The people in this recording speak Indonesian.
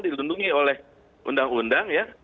dilindungi oleh undang undang ya